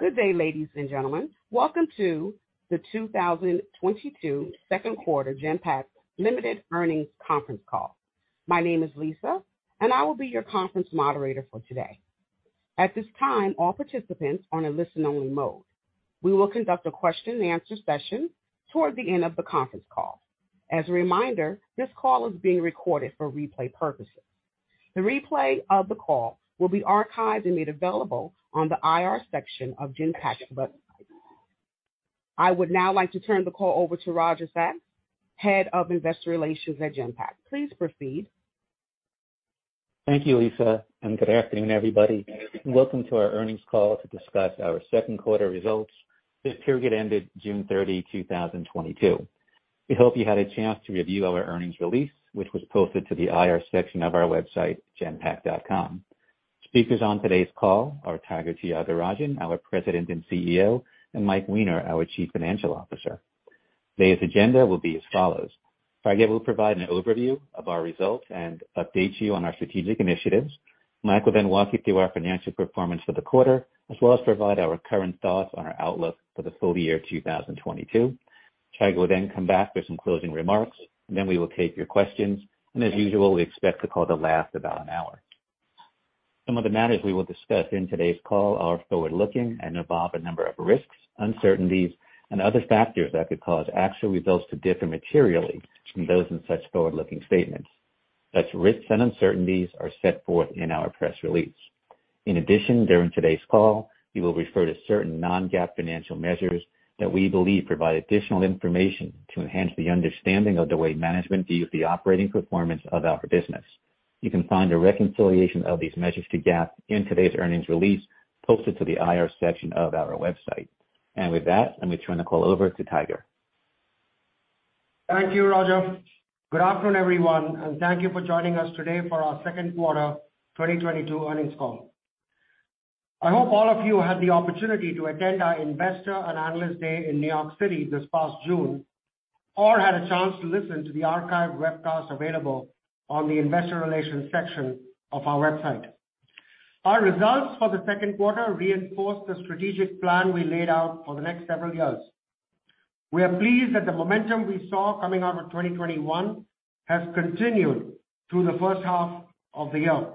Good day, ladies and gentlemen. Welcome to the 2022 second quarter Genpact Limited earnings conference call. My name is Lisa, and I will be your conference moderator for today. At this time, all participants are in listen only mode. We will conduct a question and answer session toward the end of the conference call. As a reminder, this call is being recorded for replay purposes. The replay of the call will be archived and made available on the IR section of Genpact website. I would now like to turn the call over to Roger Sachs, Head of Investor Relations at Genpact. Please proceed. Thank you, Lisa, and good afternoon, everybody. Welcome to our earnings call to discuss our second quarter results. This period ended June 30, 2022. We hope you had a chance to review our earnings release, which was posted to the IR section of our website, genpact.com. Speakers on today's call are Tiger Tyagarajan, our President, and CEO, and Mike Weiner, our Chief Financial Officer. Today's agenda will be as follows. Tiger will provide an overview of our results and update you on our strategic initiatives. Mike will then walk you through our financial performance for the quarter, as well as provide our current thoughts on our outlook for the full year 2022. Tiger will then come back for some closing remarks. We will take your questions. As usual, we expect the call to last about an hour. Some of the matters we will discuss in today's call are forward-looking and involve a number of risks, uncertainties, and other factors that could cause actual results to differ materially from those in such forward-looking statements. Such risks and uncertainties are set forth in our press release. In addition, during today's call, we will refer to certain non-GAAP financial measures that we believe provide additional information to enhance the understanding of the way management views the operating performance of our business. You can find a reconciliation of these measures to GAAP in today's earnings release posted to the IR section of our website. With that, let me turn the call over to Tiger. Thank you, Roger. Good afternoon, everyone, and thank you for joining us today for our second quarter 2022 earnings call. I hope all of you had the opportunity to attend our Investor and Analyst Day in New York City this past June, or had a chance to listen to the archived webcast available on the investor relations section of our website. Our results for the second quarter reinforce the strategic plan we laid out for the next several years. We are pleased that the momentum we saw coming out of 2021 has continued through the first half of the year.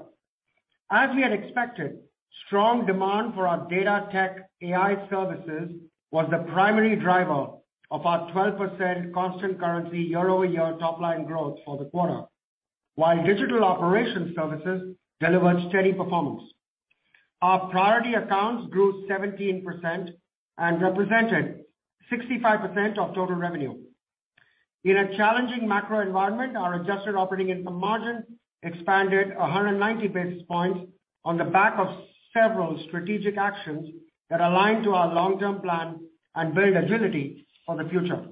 As we had expected, strong demand for our Data-Tech-AI services was the primary driver of our 12% constant currency year-over-year top line growth for the quarter, while digital operations services delivered steady performance. Our priority accounts grew 17% and represented 65% of total revenue. In a challenging macro environment, our adjusted operating income margin expanded 190 basis points on the back of several strategic actions that align to our long-term plan and build agility for the future.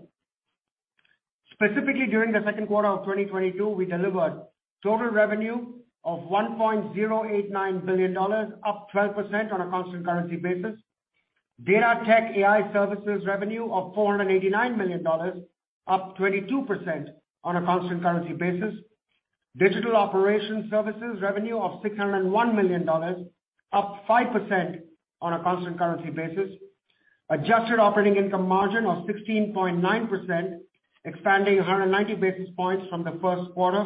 Specifically, during the second quarter of 2022, we delivered total revenue of $1.089 billion, up 12% on a constant currency basis. Data-Tech-AI services revenue of $489 million, up 22% on a constant currency basis. Digital operation services revenue of $601 million, up 5% on a constant currency basis. Adjusted operating income margin of 16.9%, expanding 190 basis points from the first quarter.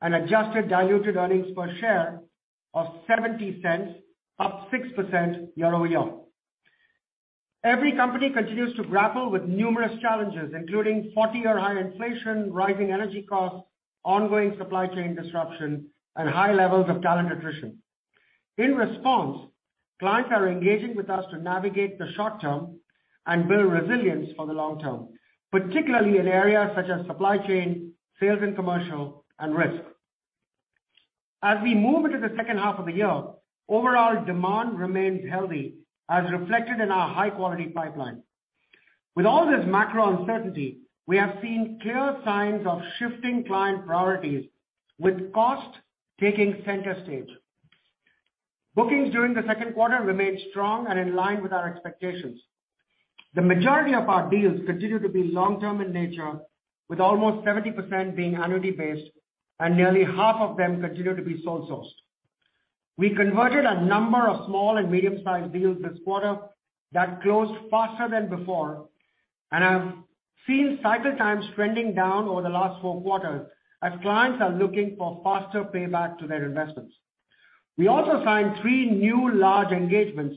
Adjusted diluted earnings per share of $0.70, up 6% year-over-year. Every company continues to grapple with numerous challenges, including 40% or higher inflation, rising energy costs, ongoing supply chain disruption, and high levels of talent attrition. In response, clients are engaging with us to navigate the short term and build resilience for the long term, particularly in areas such as supply chain, sales and commercial, and risk. As we move into the second half of the year, overall demand remains healthy as reflected in our high-quality pipeline. With all this macro uncertainty, we have seen clear signs of shifting client priorities with cost taking center stage. Bookings during the second quarter remained strong and in line with our expectations. The majority of our deals continue to be long-term in nature, with almost 70% being annuity based and nearly half of them continue to be sole sourced. We converted a number of small and medium-sized deals this quarter that closed faster than before and have seen cycle times trending down over the last four quarters as clients are looking for faster payback to their investments. We also signed three new large engagements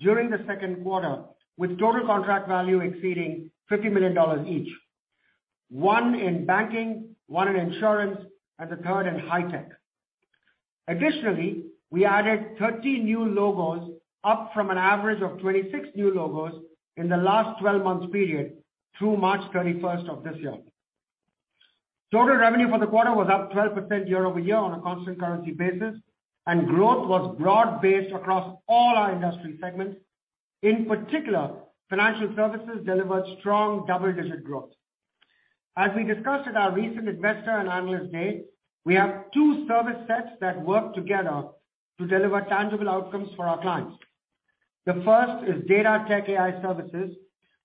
during the second quarter, with total contract value exceeding $50 million each, one in banking, one in insurance, and the third in high tech. Additionally, we added 30 new logos, up from an average of 26 new logos in the last 12 months period through March 31 of this year. Total revenue for the quarter was up 12% year-over-year on a constant currency basis, and growth was broad-based across all our industry segments. In particular, financial services delivered strong double-digit growth. As we discussed at our recent Investor and Analyst Day, we have two service sets that work together to deliver tangible outcomes for our clients. The first is Data-Tech-AI services,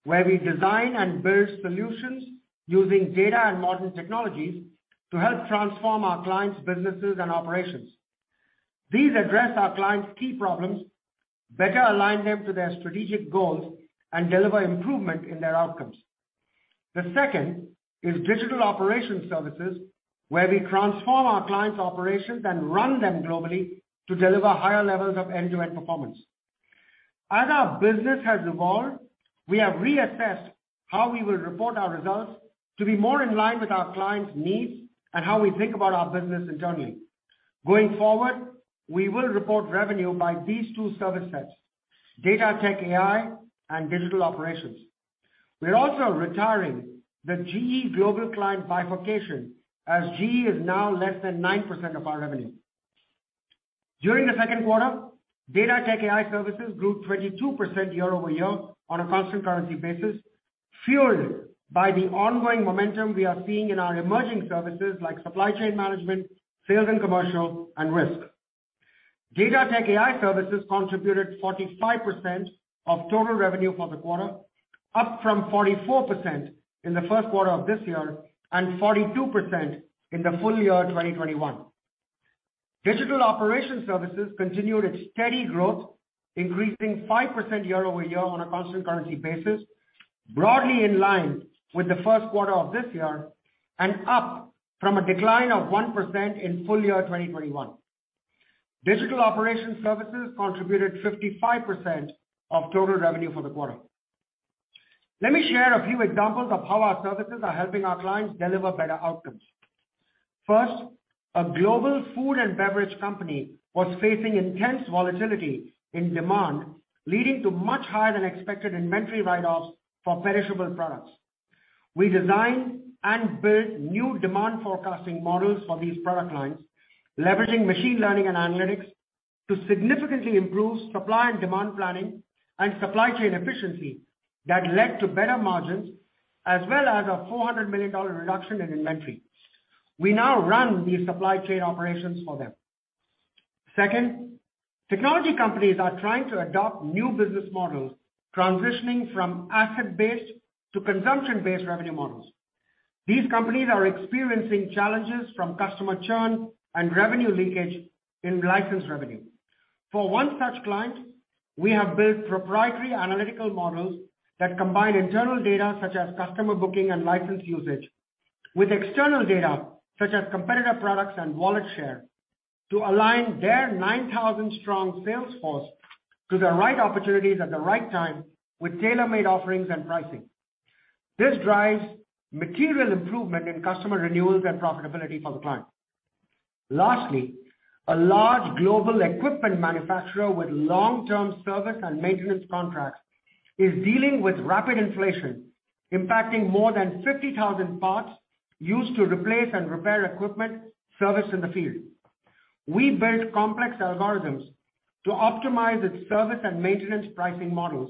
where we design and build solutions using data and modern technologies to help transform our clients' businesses and operations. These address our clients' key problems, better align them to their strategic goals, and deliver improvement in their outcomes. The second is digital operations services, where we transform our clients' operations and run them globally to deliver higher levels of end-to-end performance. As our business has evolved, we have reassessed how we will report our results to be more in line with our clients' needs and how we think about our business internally. Going forward, we will report revenue by these two service sets: Data-Tech-AI and digital operations. We're also retiring the GE global client bifurcation, as GE is now less than 9% of our revenue. During the second quarter, Data-Tech-AI services grew 22% year-over-year on a constant currency basis, fueled by the ongoing momentum we are seeing in our emerging services like supply chain management, sales and commercial, and risk. Data-Tech-AI services contributed 45% of total revenue for the quarter, up from 44% in the first quarter of this year and 42% in the full year of 2021. Digital operations services continued its steady growth, increasing 5% year-over-year on a constant currency basis, broadly in line with the first quarter of this year and up from a decline of 1% in full year 2021. Digital operations services contributed 55% of total revenue for the quarter. Let me share a few examples of how our services are helping our clients deliver better outcomes. First, a global food and beverage company was facing intense volatility in demand, leading to much higher than expected inventory write-offs for perishable products. We designed and built new demand forecasting models for these product lines, leveraging machine learning and analytics to significantly improve supply and demand planning and supply chain efficiency that led to better margins as well as a $400 million reduction in inventory. We now run these supply chain operations for them. Second, technology companies are trying to adopt new business models, transitioning from asset-based to consumption-based revenue models. These companies are experiencing challenges from customer churn and revenue leakage in license revenue. For one such client, we have built proprietary analytical models that combine internal data such as customer booking and license usage with external data such as competitor products and wallet share to align their 9,000-strong sales force to the right opportunities at the right time with tailor-made offerings and pricing. This drives material improvement in customer renewals and profitability for the client. Lastly, a large global equipment manufacturer with long-term service and maintenance contracts is dealing with rapid inflation, impacting more than 50,000 parts used to replace and repair equipment serviced in the field. We built complex algorithms to optimize its service and maintenance pricing models,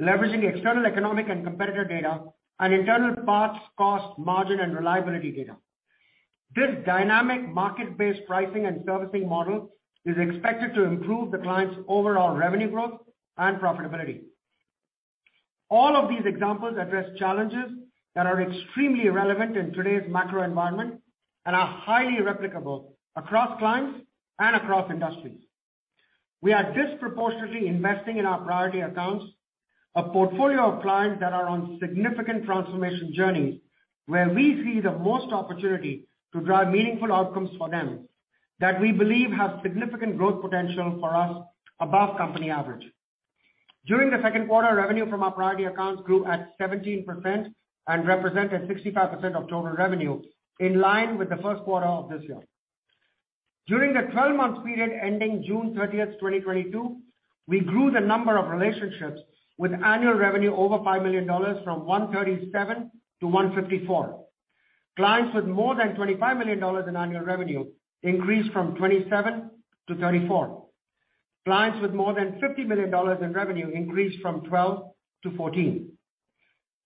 leveraging external economic and competitor data and internal parts, cost, margin, and reliability data. This dynamic market-based pricing and servicing model is expected to improve the client's overall revenue growth and profitability. All of these examples address challenges that are extremely relevant in today's macro environment and are highly replicable across clients and across industries. We are disproportionately investing in our priority accounts, a portfolio of clients that are on significant transformation journeys, where we see the most opportunity to drive meaningful outcomes for them that we believe have significant growth potential for us above company average. During the second quarter, revenue from our priority accounts grew at 17% and represented 65% of total revenue, in line with the first quarter of this year. During the 12-month period ending June 30th, 2022, we grew the number of relationships with annual revenue over $5 million from 137-154. Clients with more than $25 million in annual revenue increased from 27-34. Clients with more than $50 million in revenue increased from 12-14.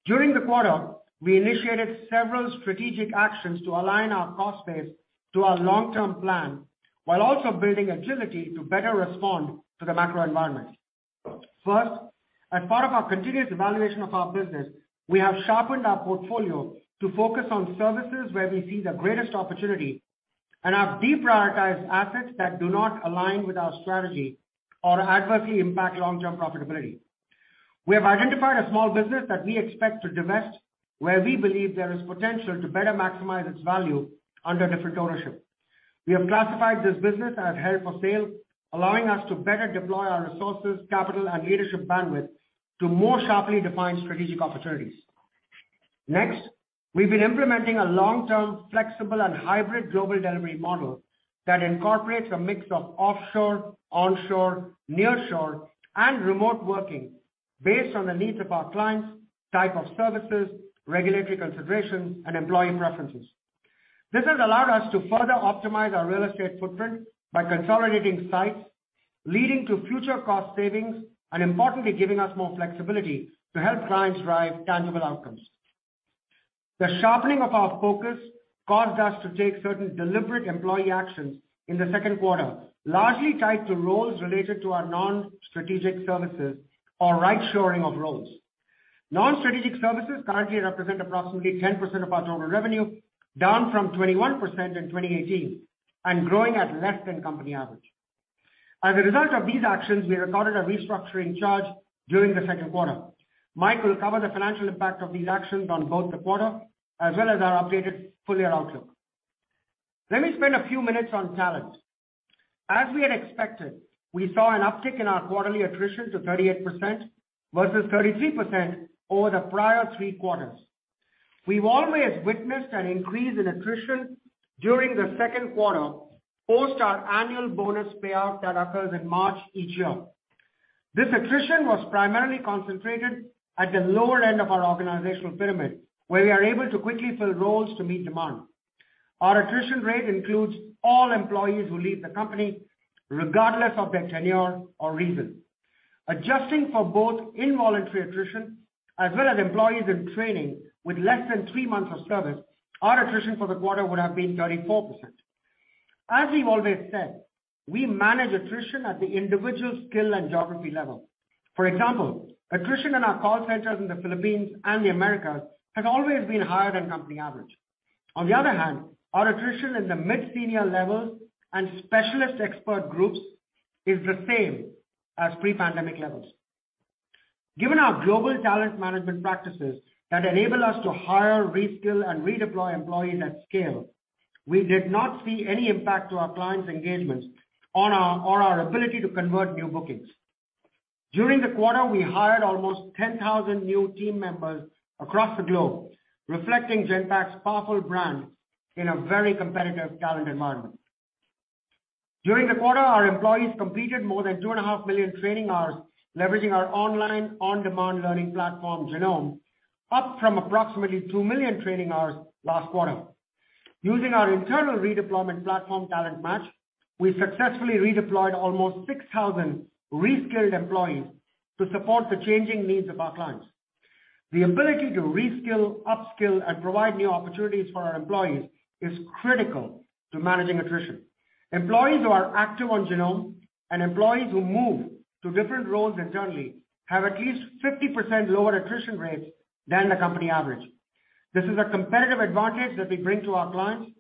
During the quarter, we initiated several strategic actions to align our cost base to our long-term plan while also building agility to better respond to the macroenvironment. First, as part of our continuous evaluation of our business, we have sharpened our portfolio to focus on services where we see the greatest opportunity and have deprioritized assets that do not align with our strategy or adversely impact long-term profitability. We have identified a small business that we expect to divest, where we believe there is potential to better maximize its value under different ownership. We have classified this business as held for sale, allowing us to better deploy our resources, capital, and leadership bandwidth to more sharply defined strategic opportunities. Next, we've been implementing a long-term flexible and hybrid global delivery model that incorporates a mix of offshore, onshore, nearshore, and remote working based on the needs of our clients, type of services, regulatory considerations, and employee preferences. This has allowed us to further optimize our real estate footprint by consolidating sites, leading to future cost savings and importantly, giving us more flexibility to help clients drive tangible outcomes. The sharpening of our focus caused us to take certain deliberate employee actions in the second quarter, largely tied to roles related to our non-strategic services or right shoring of roles. Non-strategic services currently represent approximately 10% of our total revenue, down from 21% in 2018, and growing at less than company average. As a result of these actions, we recorded a restructuring charge during the second quarter. Mike will cover the financial impact of these actions on both the quarter as well as our updated full year outlook. Let me spend a few minutes on talent. As we had expected, we saw an uptick in our quarterly attrition to 38% versus 33% over the prior 3/4. We've always witnessed an increase in attrition during the second quarter post our annual bonus payout that occurs in March each year. This attrition was primarily concentrated at the lower end of our organizational pyramid, where we are able to quickly fill roles to meet demand. Our attrition rate includes all employees who leave the company regardless of their tenure or reason. Adjusting for both involuntary attrition as well as employees in training with less than three months of service, our attrition for the quarter would have been 34%. As we've always said, we manage attrition at the individual skill and geography level. For example, attrition in our call centers in the Philippines and the Americas has always been higher than company average. On the other hand, our attrition in the mid-senior levels and specialist expert groups is the same as pre-pandemic levels. Given our global talent management practices that enable us to hire, reskill, and redeploy employees at scale, we did not see any impact to our clients engagements on our ability to convert new bookings. During the quarter, we hired almost 10,000 new team members across the globe, reflecting Genpact's powerful brand in a very competitive talent environment. During the quarter, our employees completed more than 2.5 million training hours leveraging our online on-demand learning platform, Genome, up from approximately 2 million training hours last quarter. Using our internal redeployment platform, TalentMatch, we successfully redeployed almost 6,000 reskilled employees to support the changing needs of our clients. The ability to reskill, upskill, and provide new opportunities for our employees is critical to managing attrition. Employees who are active on Genome and employees who move to different roles internally have at least 50% lower attrition rates than the company average. This is a competitive advantage that we bring to our clients,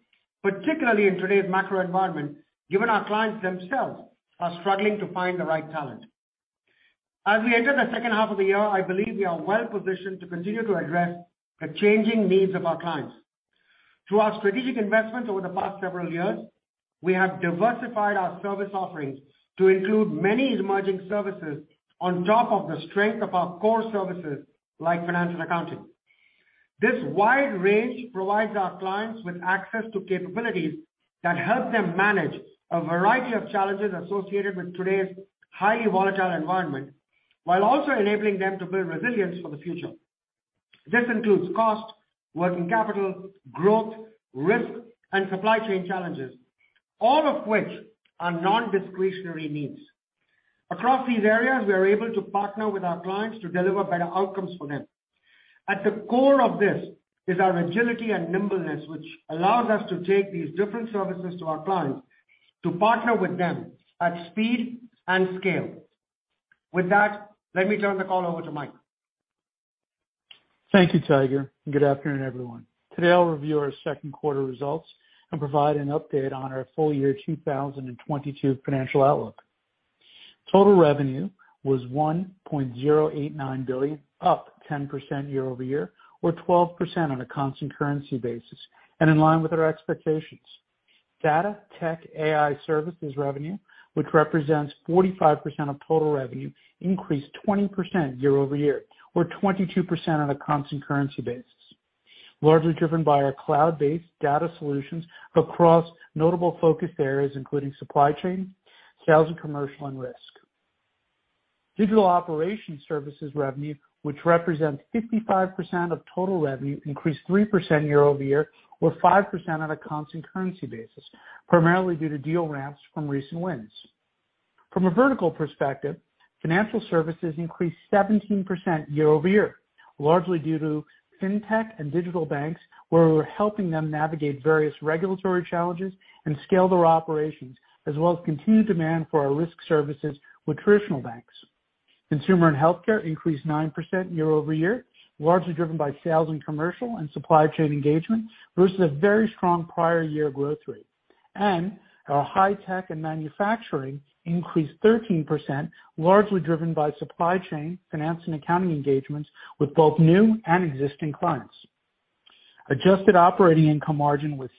particularly in today's macro environment, given our clients themselves are struggling to find the right talent. As we enter the second half of the year, I believe we are well-positioned to continue to address the changing needs of our clients. Through our strategic investments over the past several years, we have diversified our service offerings to include many emerging services on top of the strength of our core services, like financial accounting. This wide range provides our clients with access to capabilities that help them manage a variety of challenges associated with today's highly volatile environment, while also enabling them to build resilience for the future. This includes cost, working capital, growth, risk, and supply chain challenges, all of which are non-discretionary needs. Across these areas, we are able to partner with our clients to deliver better outcomes for them. At the core of this is our agility and nimbleness, which allows us to take these different services to our clients to partner with them at speed and scale. With that, let me turn the call over to Mike. Thank you, Tiger, and good afternoon, everyone. Today, I'll review our second quarter results and provide an update on our full year 2022 financial outlook. Total revenue was $1.089 billion, up 10% year-over-year or 12% on a constant currency basis, and in line with our expectations. Data-Tech-AI services revenue, which represents 45% of total revenue, increased 20% year-over-year or 22% on a constant currency basis, largely driven by our cloud-based data solutions across notable focus areas, including supply chain, sales and commercial, and risk. Digital operation services revenue, which represents 55% of total revenue, increased 3% year-over-year or 5% on a constant currency basis, primarily due to deal ramps from recent wins. From a vertical perspective, financial services increased 17% year-over-year, largely due to fintech and digital banks, where we're helping them navigate various regulatory challenges and scale their operations, as well as continued demand for our risk services with traditional banks. Consumer and healthcare increased 9% year-over-year, largely driven by sales and commercial and supply chain engagement versus a very strong prior year growth rate. Our high-tech and manufacturing increased 13%, largely driven by supply chain, finance and accounting engagements with both new and existing clients. Adjusted operating income margin was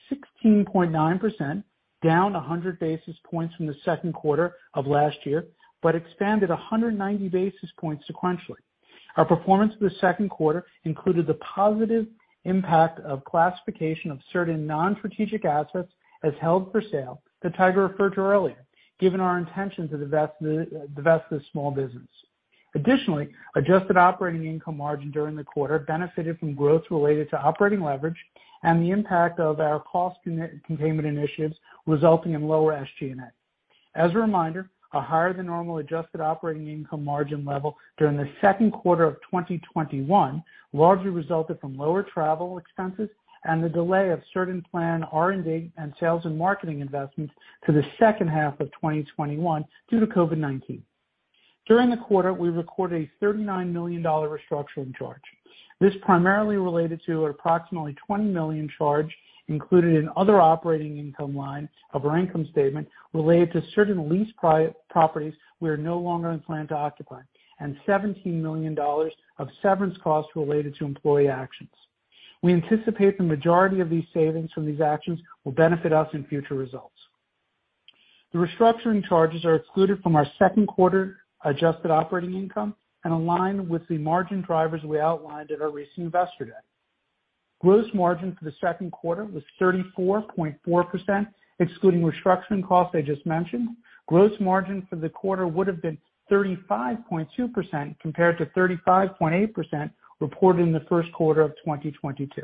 16.9%, down 100 basis points from the second quarter of last year, but expanded 190 basis points sequentially. Our performance for the second quarter included the positive impact of classification of certain non-strategic assets as held for sale that Tiger referred to earlier, given our intention to divest the small business. Additionally, adjusted operating income margin during the quarter benefited from growth related to operating leverage and the impact of our cost containment initiatives, resulting in lower SG&A. As a reminder, a higher than normal adjusted operating income margin level during the second quarter of 2021 largely resulted from lower travel expenses and the delay of certain planned R&D and sales and marketing investments to the second half of 2021 due to COVID-19. During the quarter, we recorded a $39 million restructuring charge. This primarily related to approximately $20 million charge included in other operating income line of our income statement related to certain lease properties we are no longer planning to occupy, and $17 million of severance costs related to employee actions. We anticipate the majority of these savings from these actions will benefit us in future results. The restructuring charges are excluded from our second quarter adjusted operating income and align with the margin drivers we outlined at our recent Investor Day. Gross margin for the second quarter was 34.4%, excluding restructuring costs I just mentioned. Gross margin for the quarter would have been 35.2% compared to 35.8% reported in the first quarter of 2022.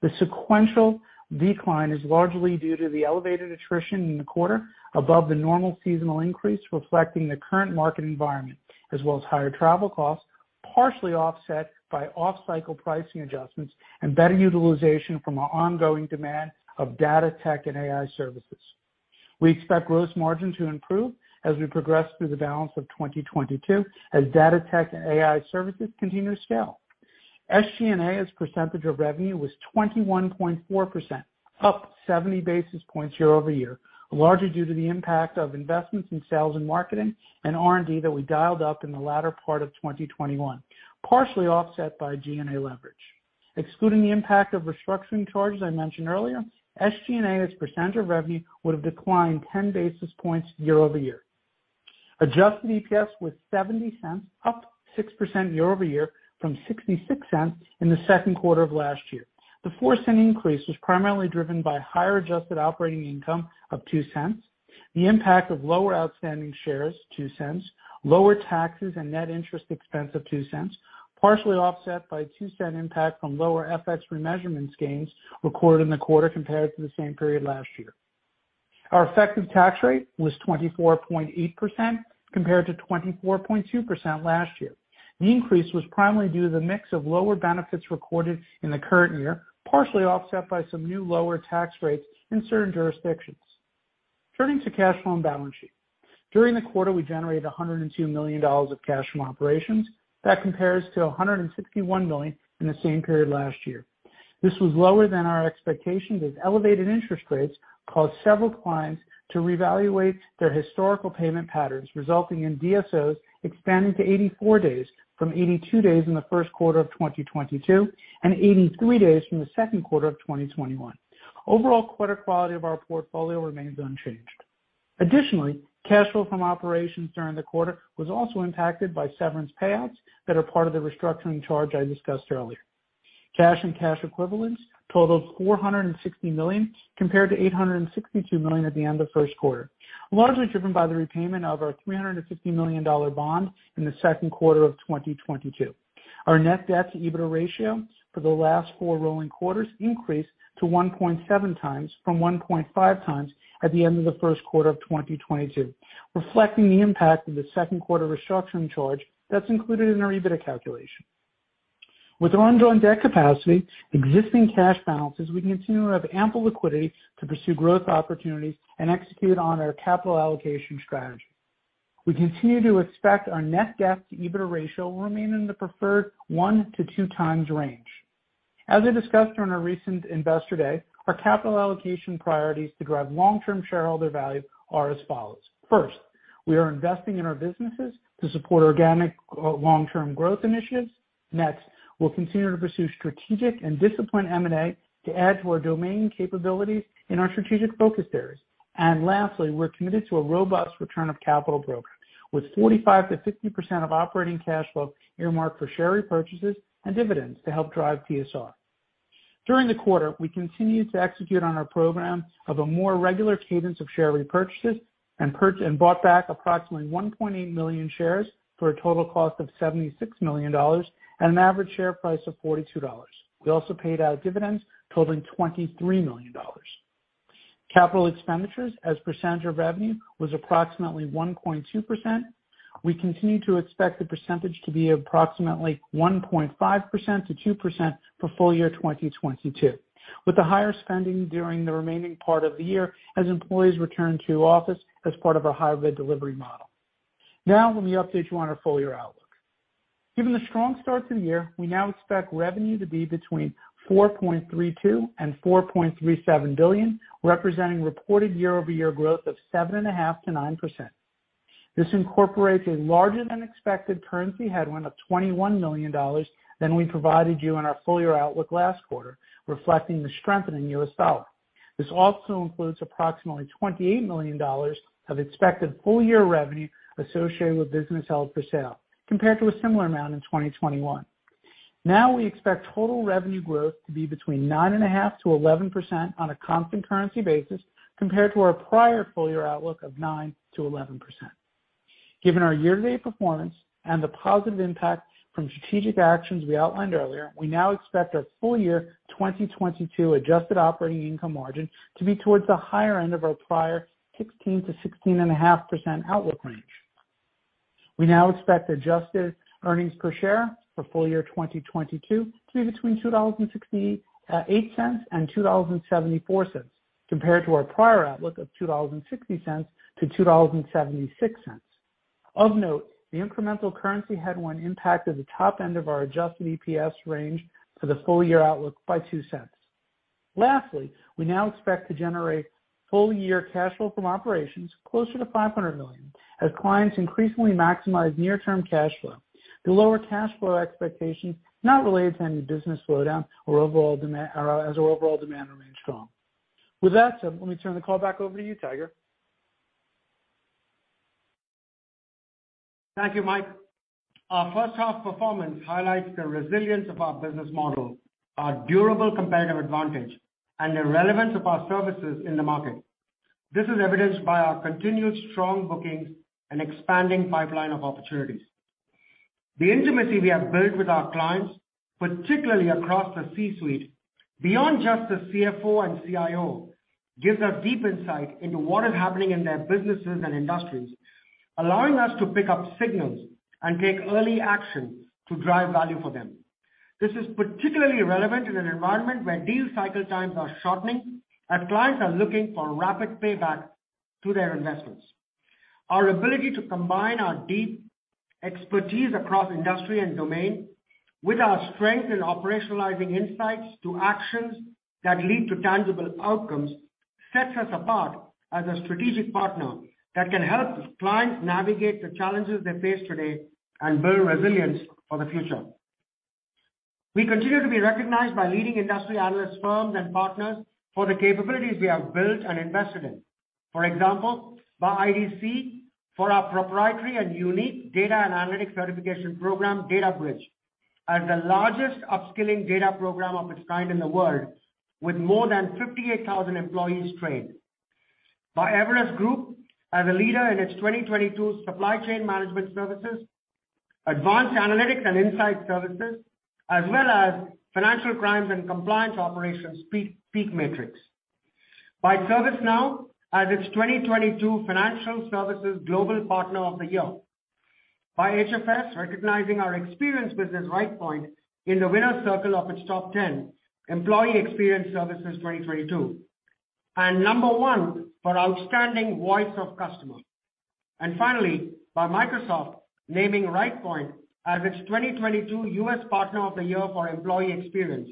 The sequential decline is largely due to the elevated attrition in the quarter above the normal seasonal increase, reflecting the current market environment as well as higher travel costs, partially offset by off-cycle pricing adjustments and better utilization from our ongoing demand of data tech and AI services. We expect gross margin to improve as we progress through the balance of 2022 as data tech and AI services continue to scale. SG&A as a percentage of revenue was 21.4%, up 70 basis points year-over-year, largely due to the impact of investments in sales and marketing and R&D that we dialed up in the latter part of 2021, partially offset by G&A leverage. Excluding the impact of restructuring charges I mentioned earlier, SG&A as a percentage of revenue would have declined 10 basis points year-over-year. Adjusted EPS was $0.70, up 6% year-over-year from $0.66 in the second quarter of last year. The $0.04 increase was primarily driven by higher adjusted operating income of $0.02, the impact of lower outstanding shares, $0.02, lower taxes and net interest expense of $0.02, partially offset by $0.02 impact from lower FX remeasurement gains recorded in the quarter compared to the same period last year. Our effective tax rate was 24.8% compared to 24.2% last year. The increase was primarily due to the mix of lower benefits recorded in the current year, partially offset by some new lower tax rates in certain jurisdictions. Turning to cash flow and balance sheet. During the quarter, we generated $102 million of cash from operations. That compares to $161 million in the same period last year. This was lower than our expectations as elevated interest rates caused several clients to reevaluate their historical payment patterns, resulting in DSOs expanding to 84 days from 82 days in the first quarter of 2022 and 83 days from the second quarter of 2021. Overall credit quality of our portfolio remains unchanged. Additionally, cash flow from operations during the quarter was also impacted by severance payouts that are part of the restructuring charge I discussed earlier. Cash and cash equivalents totaled $460 million compared to $862 million at the end of first quarter, largely driven by the repayment of our $350 million bond in the second quarter of 2022. Our net debt-to-EBITDA ratio for the last four rolling quarters increased to 1.7x from 1.5x at the end of the first quarter of 2022, reflecting the impact of the second quarter restructuring charge that's included in our EBITDA calculation. With our ongoing debt capacity, existing cash balances, we continue to have ample liquidity to pursue growth opportunities and execute on our capital allocation strategy. We continue to expect our net debt-to-EBITDA ratio will remain in the preferred 1x-2x range. As I discussed during our recent Investor Day, our capital allocation priorities to drive long-term shareholder value are as follows. First, we are investing in our businesses to support organic, long-term growth initiatives. Next, we'll continue to pursue strategic and disciplined M&A to add to our domain capabilities in our strategic focus areas. Lastly, we're committed to a robust return of capital program, with 45%-50% of operating cash flow earmarked for share repurchases and dividends to help drive TSR. During the quarter, we continued to execute on our program of a more regular cadence of share repurchases and bought back approximately 1.8 million shares for a total cost of $76 million at an average share price of $42. We also paid out dividends totaling $23 million. Capital expenditures as a percentage of revenue was approximately 1.2%. We continue to expect the percentage to be approximately 1.5%-2% for full year 2022, with the higher spending during the remaining part of the year as employees return to office as part of our hybrid delivery model. Now let me update you on our full year outlook. Given the strong start to the year, we now expect revenue to be between $4.32 billion and $4.37 billion, representing reported year-over-year growth of 7.5%-9%. This incorporates a larger-than-expected currency headwind of $21 million than we provided you in our full year outlook last quarter, reflecting the strengthening U.S. dollar. This also includes approximately $28 million of expected full year revenue associated with business held for sale compared to a similar amount in 2021. Now we expect total revenue growth to be between 9.5%-11% on a constant currency basis compared to our prior full year outlook of 9%-11%. Given our year-to-date performance and the positive impact from strategic actions we outlined earlier, we now expect our full year 2022 adjusted operating income margin to be towards the higher end of our prior 16%-16.5% outlook range. We now expect adjusted earnings per share for full year 2022 to be between $2.68 and $2.74 compared to our prior outlook of $2.60-$2.76. Of note, the incremental currency headwind impacted the top end of our adjusted EPS range for the full year outlook by $0.02. Lastly, we now expect to generate full year cash flow from operations closer to $500 million as clients increasingly maximize near-term cash flow. The lower cash flow expectation is not related to any business slowdown or overall demand, as our overall demand remains strong. With that said, let me turn the call back over to you, Tiger. Thank you, Mike. Our first half performance highlights the resilience of our business model, our durable competitive advantage, and the relevance of our services in the market. This is evidenced by our continued strong bookings and expanding pipeline of opportunities. The intimacy we have built with our clients, particularly across the C-suite, beyond just the CFO, and CIO, gives us deep insight into what is happening in their businesses and industries, allowing us to pick up signals and take early action to drive value for them. This is particularly relevant in an environment where deal cycle times are shortening and clients are looking for rapid payback to their investments. Our ability to combine our deep expertise across industry and domain with our strength in operationalizing insights to actions that lead to tangible outcomes sets us apart as a strategic partner that can help clients navigate the challenges they face today and build resilience for the future. We continue to be recognized by leading industry analyst firms and partners for the capabilities we have built and invested in. For example, by IDC for our proprietary and unique data analytics certification program, DataBridge, as the largest upskilling data program of its kind in the world, with more than 58,000 employees trained. By Everest Group as a leader in its 2022 supply chain management services, advanced analytics and insight services, as well as financial crimes and compliance operations PEAK Matrix. By ServiceNow as its 2022 financial services global partner of the year. By HFS recognizing our experience business Rightpoint in the winner's circle of its top ten employee experience services 2022, and number one for outstanding voice of customer. Finally, by Microsoft naming Rightpoint as its 2022 U.S. partner of the year for employee experience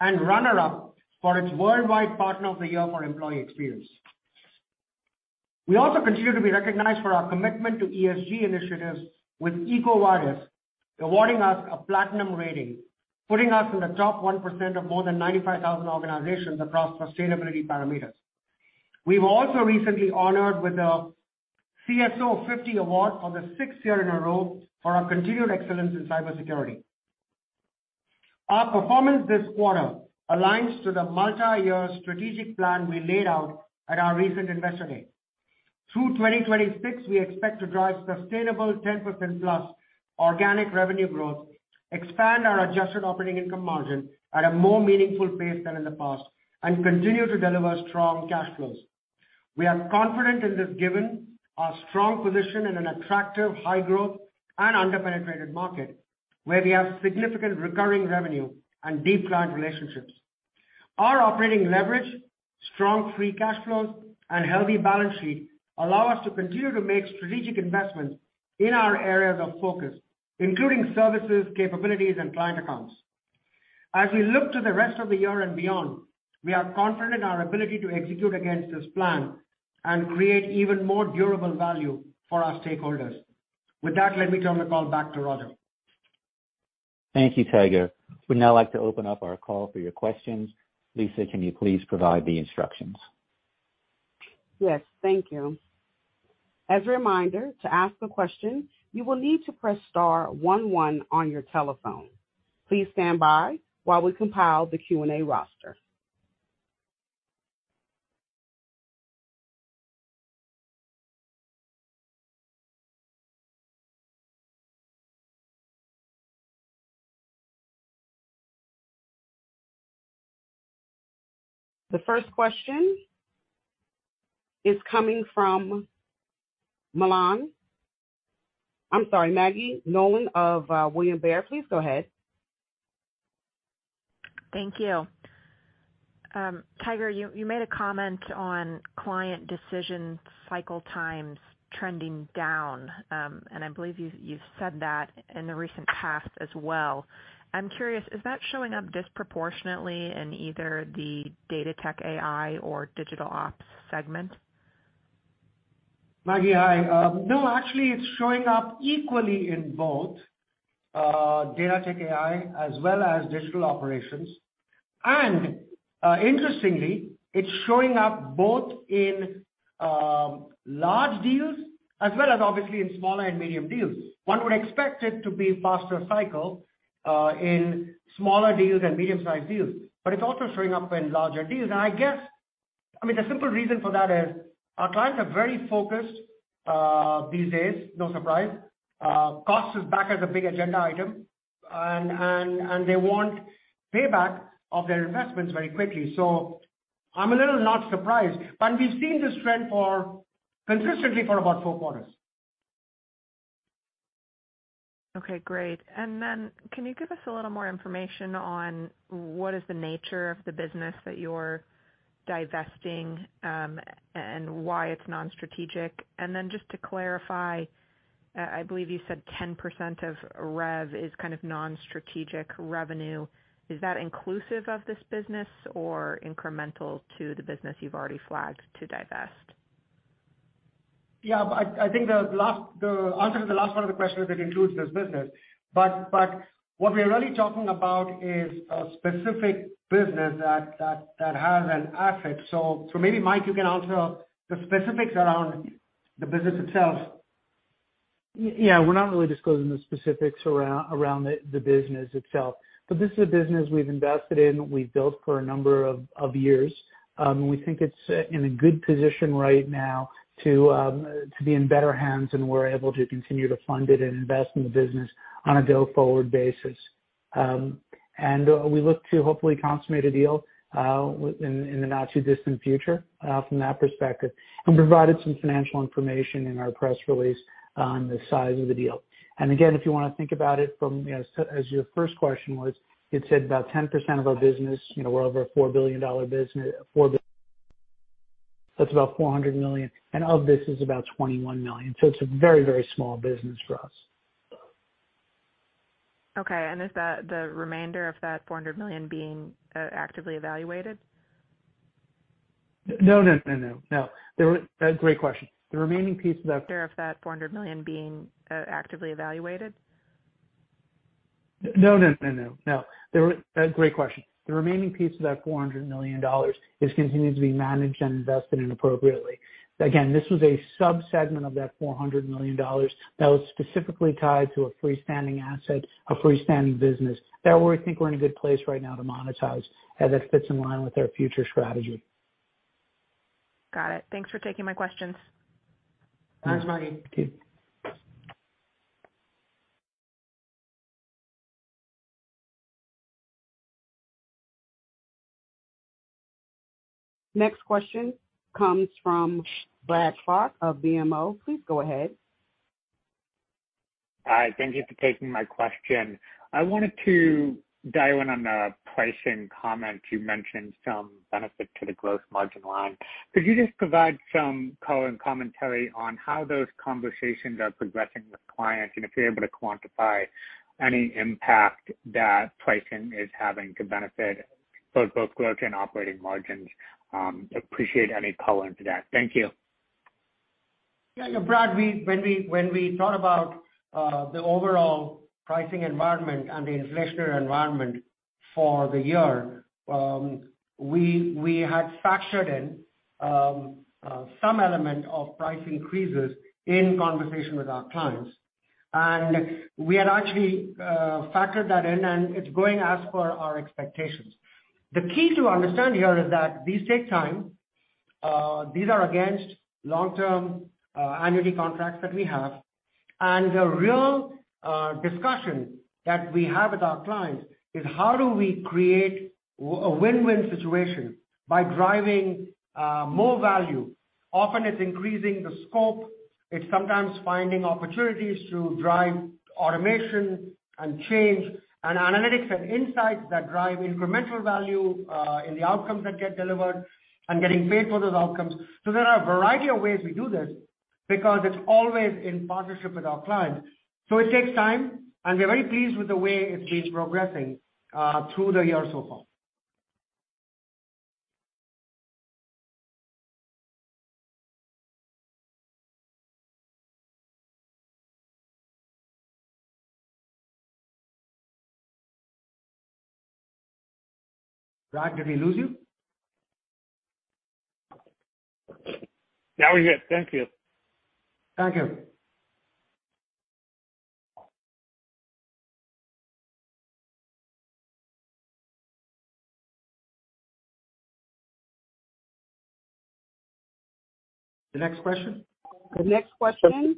and runner-up for its worldwide partner of the year for employee experience. We also continue to be recognized for our commitment to ESG initiatives with EcoVadis awarding us a platinum rating, putting us in the top 1% of more than 95,000 organizations across sustainability parameters. We were also recently honored with the CSO50 Award for the sixth year in a row for our continued excellence in cybersecurity. Our performance this quarter aligns to the multi-year strategic plan we laid out at our recent Investor Day. Through 2026, we expect to drive sustainable 10%+ organic revenue growth, expand our adjusted operating income margin at a more meaningful pace than in the past, and continue to deliver strong cash flows. We are confident in this given our strong position in an attractive high growth and under-penetrated market, where we have significant recurring revenue and deep client relationships. Our operating leverage, strong free cash flows, and healthy balance sheet allow us to continue to make strategic investments in our areas of focus, including services, capabilities, and client accounts. As we look to the rest of the year and beyond, we are confident in our ability to execute against this plan and create even more durable value for our stakeholders. With that, let me turn the call back to Roger. Thank you, Tiger. We'd now like to open up our call for your questions. Lisa, can you please provide the instructions? Yes, thank you. As a reminder, to ask a question, you will need to press star one one on your telephone. Please stand by while we compile the Q&A roster. The first question is coming from Maggie Nolan. I'm sorry, Maggie Nolan of William Blair, please go ahead. Thank you. Tiger, you made a comment on client decision cycle times trending down, and I believe you've said that in the recent past as well. I'm curious, is that showing up disproportionately in either the Data-Tech-AI or digital ops segment? Maggie, hi. No, actually, it's showing up equally in both Data-Tech-AI as well as digital operations. Interestingly, it's showing up both in large deals as well as obviously in smaller and medium deals. One would expect it to be faster cycle in smaller deals and medium-sized deals, but it's also showing up in larger deals. I guess—I mean, the simple reason for that is our clients are very focused these days, no surprise. Cost is back as a big agenda item. They want payback of their investments very quickly. I'm a little not surprised, but we've seen this trend consistently for about four quarters. Okay, great. Can you give us a little more information on what is the nature of the business that you're divesting, and why it's non-strategic? Just to clarify, I believe you said 10% of rev is kind of non-strategic revenue. Is that inclusive of this business or incremental to the business you've already flagged to divest? Yeah. I think the last answer to the last one of the questions, it includes this business. What we're really talking about is a specific business that has an asset. Maybe, Mike, you can answer the specifics around the business itself. Yeah. We're not really disclosing the specifics around the business itself. This is a business we've invested in, we've built for a number of years. We think it's in a good position right now to be in better hands, and we're able to continue to fund it and invest in the business on a go-forward basis. We look to hopefully consummate a deal in the not-too-distant future from that perspective. Provided some financial information in our press release on the size of the deal. Again, if you wanna think about it from, you know, as your first question was, you'd said about 10% of our business, you know, we're over a $4 billion business. That's about $400 million, and of this is about $21 million. It's a very, very small business for us. Okay. Is that the remainder of that $400 million being actively evaluated? No. Great question. The remaining piece of that. Of that $400 million being actively evaluated? No. Great question. The remaining piece of that $400 million is continuing to be managed and invested in appropriately. Again, this was a sub-segment of that $400 million that was specifically tied to a freestanding asset, a freestanding business that we think we're in a good place right now to monetize as it fits in line with our future strategy. Got it. Thanks for taking my questions. Thanks, Maggie. Thank you. Next question comes from Bryan Bergin of BMO. Please go ahead. Hi. Thank you for taking my question. I wanted to dial in on the pricing comment. You mentioned some benefit to the growth margin line. Could you just provide some color and commentary on how those conversations are progressing with clients, and if you're able to quantify any impact that pricing is having to benefit both growth and operating margins? Appreciate any color into that. Thank you. Yeah, no, Bryan Bergin, when we thought about the overall pricing environment and the inflationary environment for the year, we had factored in some element of price increases in conversation with our clients. We had actually factored that in, and it's going as per our expectations. The key to understand here is that these take time. These are against long-term annuity contracts that we have. The real discussion that we have with our clients is how do we create a win-win situation by driving more value. Often it's increasing the scope. It's sometimes finding opportunities to drive automation and change and analytics and insights that drive incremental value in the outcomes that get delivered and getting paid for those outcomes. There are a variety of ways we do this because it's always in partnership with our clients, so it takes time, and we're very pleased with the way it's been progressing, through the year so far. Bryan, did we lose you? Now we're good. Thank you. Thank you. The next question. The next question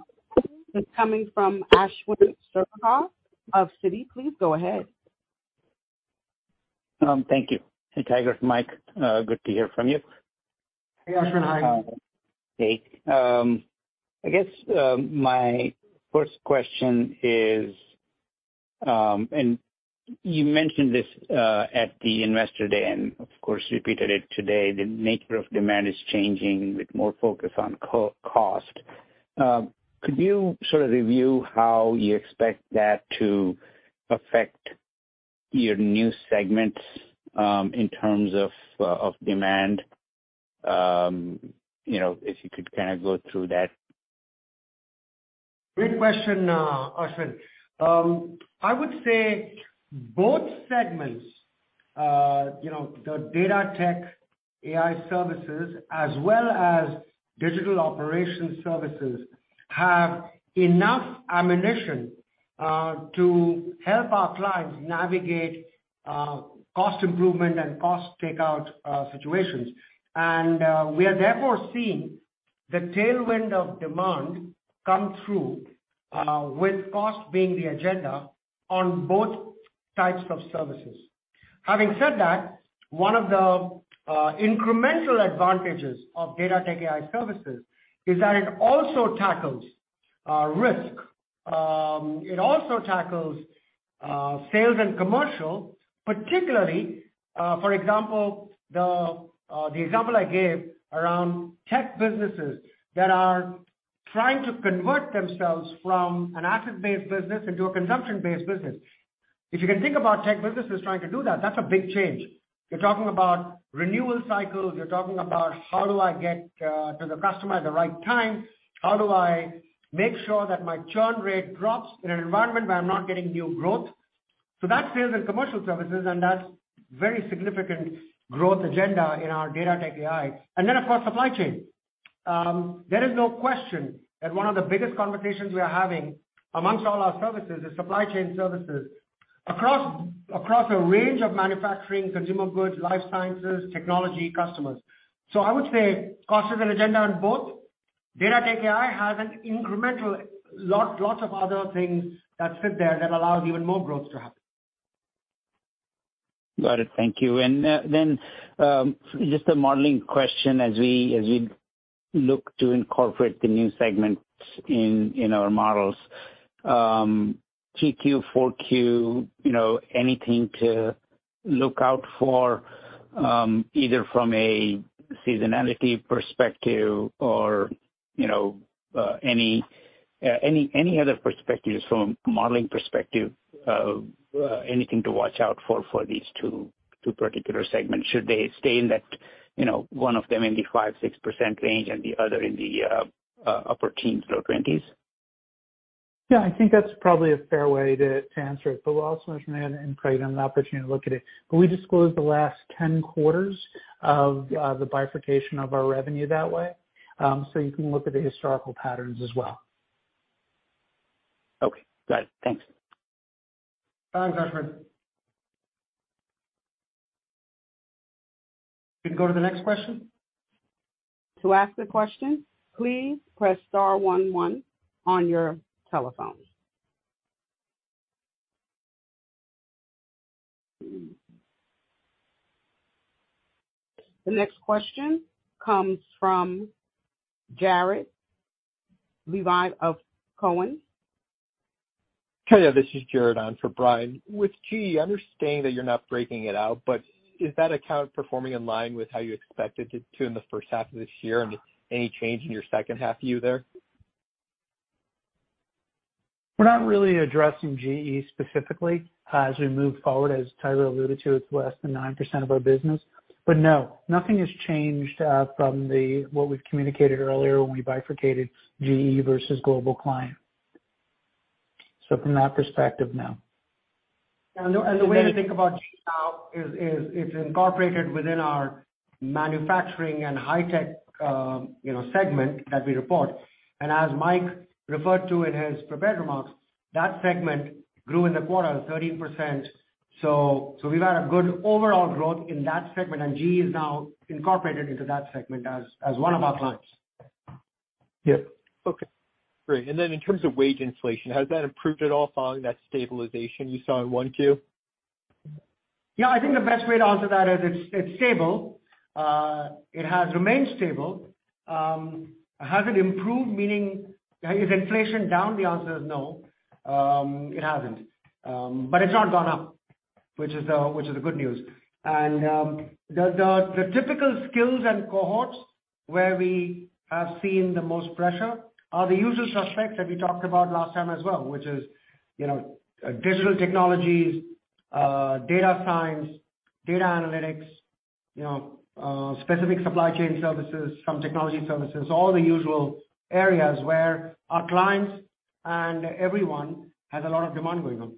is coming from Ashwin Shirvaikar of Citi. Please go ahead. Thank you. Hey, Tiger. Mike. Good to hear from you. Hey, Ashwin. Hi. Hey. I guess my first question is, you mentioned this at the Investor Day and of course repeated it today. The nature of demand is changing with more focus on cost. Could you sort of review how you expect that to affect your new segments in terms of demand? You know, if you could kinda go through that. Great question, Ashwin. I would say both segments, you know, the Data-Tech-AI services as well as digital operations services, have enough ammunition to help our clients navigate cost improvement and cost takeout situations. We are therefore seeing the tailwind of demand come through with cost being the agenda on both types of services. Having said that, one of the incremental advantages of Data-Tech-AI services is that it also tackles risk. It also tackles sales and commercial, particularly, for example, the example I gave around tech businesses that are trying to convert themselves from an asset-based business into a consumption-based business. If you can think about tech businesses trying to do that's a big change. You're talking about renewal cycles. You're talking about how do I get to the customer at the right time? How do I make sure that my churn rate drops in an environment where I'm not getting new growth? That's sales and commercial services, and that's very significant growth agenda in our Data-Tech-AI. Of course, supply chain. There is no question that one of the biggest conversations we are having amongst all our services is supply chain services across a range of manufacturing, consumer goods, life sciences, technology customers. I would say cost is an agenda on both. Data-Tech-AI has an incremental lot, lots of other things that fit there that allow even more growth to happen. Got it. Thank you. Just a modeling question as we look to incorporate the new segments in our models. 3Q, 4Q, you know, anything to look out for, either from a seasonality perspective or, you know, any other perspectives from modeling perspective, anything to watch out for for these two particular segments? Should they stay in that, you know, one of them in the 5%-6% range and the other in the upper teens or twenties? Yeah. I think that's probably a fair way to answer it. We'll also mention it and create an opportunity to look at it. We disclosed the last 10 quarters of the bifurcation of our revenue that way. You can look at the historical patterns as well. Okay. Got it. Thanks. Thanks, Ashwin. We can go to the next question. To ask the question, please press star one one on your telephones. The next question comes from Jared Levine of Cowen. Hey, this is Jared on for Brian. With GE, I understand that you're not breaking it out, but is that account performing in line with how you expected it to in the first half of this year, and any change in your second half view there? We're not really addressing GE specifically as we move forward. As Tiger Tyagarajan alluded to, it's less than 9% of our business. No, nothing has changed from what we've communicated earlier when we bifurcated GE versus global client. From that perspective, no. The way to think about GE now is it's incorporated within our manufacturing and high-tech, you know, segment that we report. As Mike referred to in his prepared remarks, that segment grew in the quarter 13%. We've had a good overall growth in that segment, and GE is now incorporated into that segment as one of our clients. Yeah. Okay. Great. In terms of wage inflation, has that improved at all following that stabilization you saw in 1Q? Yeah. I think the best way to answer that is it's stable. It has remained stable. Has it improved? Meaning, is inflation down? The answer is no. It hasn't. But it's not gone up, which is the good news. The typical skills and cohorts where we have seen the most pressure are the usual suspects that we talked about last time as well, which is, you know, digital technologies, data science, data analytics, you know, specific supply chain services from technology services, all the usual areas where our clients and everyone has a lot of demand going on.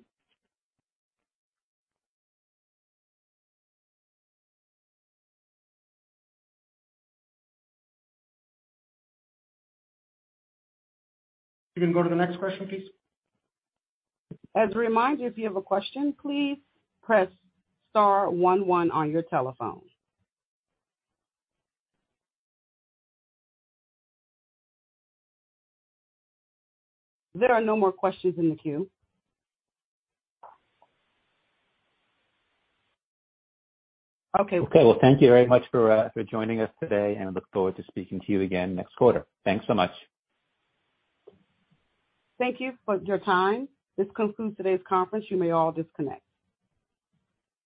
We can go to the next question, please. As a reminder, if you have a question, please press star one one on your telephone. There are no more questions in the queue. Okay. Okay. Well, thank you very much for joining us today, and I look forward to speaking to you again next quarter. Thanks so much. Thank you for your time. This concludes today's conference. You may all disconnect.